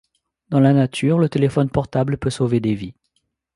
Dans la nature, le téléphone portable peut sauver des vies.